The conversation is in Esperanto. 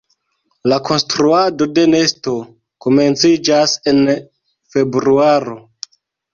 La konstruado de nesto komenciĝas en februaro.